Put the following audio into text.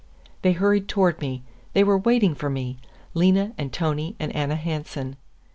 They hurried toward me; they were waiting for me—Lena and Tony and Anna Hansen.